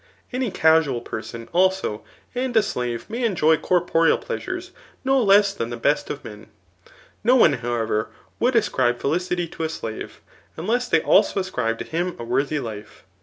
Any casual persoxl, also, and a slave nuiy ^oy corporeal pleasures no less than the best of man No one, however, would ascribe felicity to a slave, untes they also ascribe to him a worthy life.